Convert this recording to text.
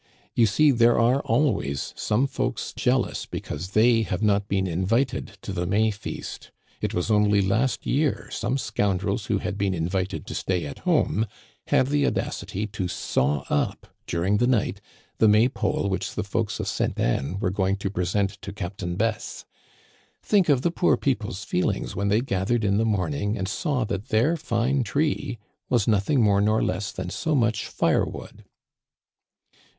You see there are always some folks jealous be cause they have not been invited to the May feast It was only last year some scoundrels who had been in vited to stay at home had the audacity to saw up, dur ing the night, the May pole which the folks of Ste. Anne were going to present to Captain Besse. Think of the poor peoples' feelings when they gathered in the morning and saw that their fine tree was nothing more nor less than so much firewood